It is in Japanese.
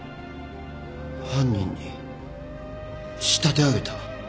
犯人に仕立て上げた？